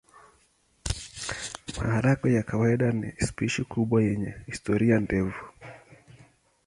Maharagwe ya kawaida ni spishi kubwa yenye historia ndefu.